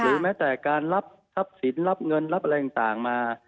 แม้แต่การรับทรัพย์สินรับเงินรับอะไรต่างมา